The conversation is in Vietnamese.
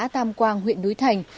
tàm quan huyện núi thành